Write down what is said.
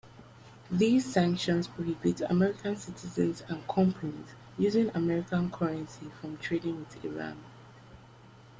These sanctions prohibit American citizens and companies using American currency from trading with Iran.